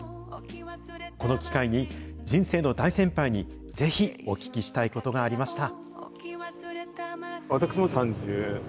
この機会に、人生の大先輩にぜひお聞きしたいことがありました。